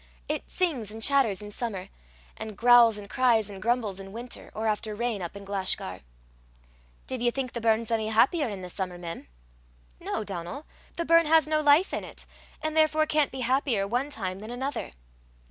"It sings and chatters in summer, and growls and cries and grumbles in winter, or after rain up in Glashgar." "Div ye think the burn's ony happier i' the summer, mem?" "No, Donal; the burn has no life in it, and therefore can't be happier one time than another."